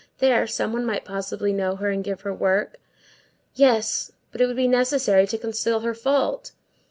There, some one might possibly know her and give her work; yes, but it would be necessary to conceal her fault.